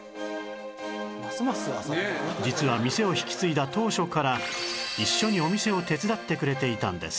実は店を引き継いだ当初から一緒にお店を手伝ってくれていたんです